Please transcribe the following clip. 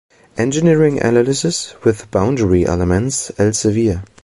Engineering Analysis with Boundary Elements, Elsevier